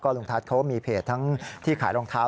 ลุงทัศน์เขามีเพจทั้งที่ขายรองเท้า